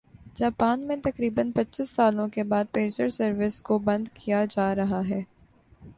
Japan میں تقریبا ًپچيس سالوں کے بعد پیجر سروس کو بند کیا جا رہا ہے